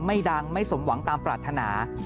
ไม่ดังไม่สมหวังตามปรารถนา